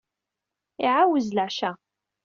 Iɛawez leɛca.